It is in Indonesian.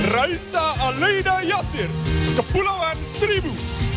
raisa aleda yasir kepulauan seribu